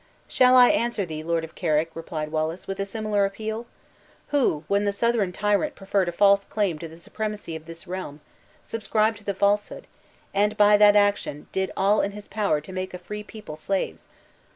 "Shall I answer thee, Lord of Carrick," replied Wallace, "with a similar appeal? Who, when the Southron tyrant preferred a false claim to the supremacy of this realm, subscribed to the falsehood; and by that action did all in his power to make a free people slaves?